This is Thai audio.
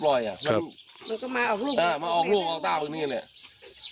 ครับก็แล้วมันออกลูกด้วยลูกออกรอบอาการเครื่องนี้แหละ